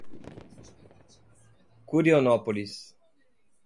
Curionópolis